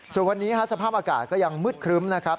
ส่วนวันนี้สภาพอากาศก็ยังมืดครึ้มนะครับ